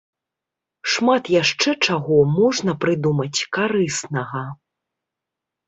Шмат яшчэ чаго можна прыдумаць карыснага.